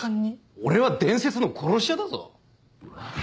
俺は伝説の殺し屋だぞ。